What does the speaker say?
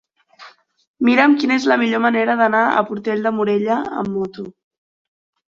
Mira'm quina és la millor manera d'anar a Portell de Morella amb moto.